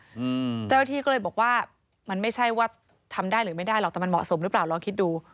เจ้าหน้าที่ก็เลยบอกว่ามันไม่ใช่ว่าทำได้หรือไม่ได้หรอกแต่มันเหมาะสมหรือเปล่าลองคิดดู